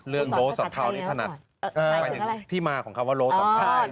เรื่องโลสัมเภานี่ถนัดที่มาของคำว่าโลสัมเภาย